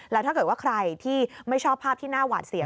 แล้วถ้าเกิดว่าใครที่ไม่ชอบภาพที่น่าหวาดเสีย